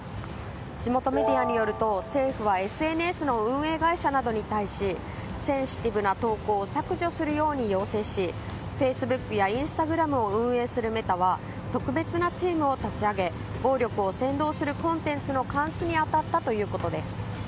地元メディアによると政府はＳＮＳの運営会社などに対しセンシティブな投稿を削除するように要請しフェイスブックやインスタグラムを運営するメタは特別なチームを立ち上げ暴力を扇動するコンテンツの監視に当たったということです。